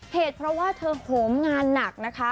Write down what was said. เหตุเพราะว่าเธอโหมงานหนักนะคะ